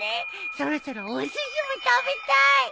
そろそろおすしも食べたい！